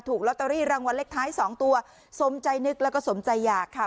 ถูกลอตเตอรี่รางวัลเลขท้ายสองตัวสมใจนึกแล้วก็สมใจอยากค่ะ